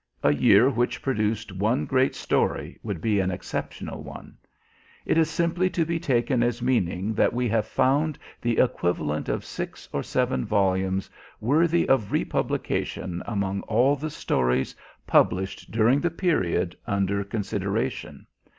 A year which produced one great story would be an exceptional one. It is simply to be taken as meaning that we have found the equivalent of six or seven volumes worthy of republication among all the stories published during the period under consideration.